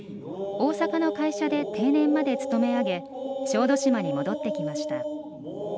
大阪の会社で定年まで勤め上げ小豆島に戻ってきました。